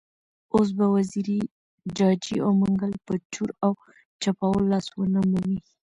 اوس به وزیري، جاجي او منګل په چور او چپاول لاس ونه مومي.